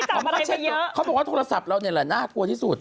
นึกว่าไปจับอะไรมาเยอะเขาบอกว่าโทรศัพท์เราเนี่ยละน่ากลัวที่สุด